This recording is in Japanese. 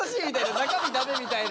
中身駄目みたいな。